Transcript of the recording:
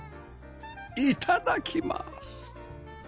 いただきまーす